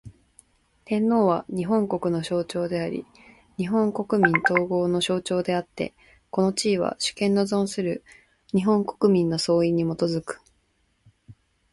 天皇は、日本国の象徴であり日本国民統合の象徴であつて、この地位は、主権の存する日本国民の総意に基く。